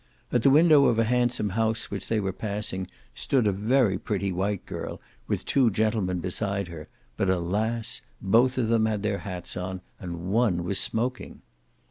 At the window of a handsome house which they were passing, stood a very pretty white girl, with two gentlemen beside her; but alas! both of them had their hats on, and one was smoking!